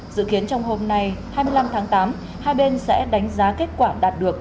dự kiến trong hôm nay hai mươi năm tháng tám hai bên sẽ đánh giá kết quả đạt được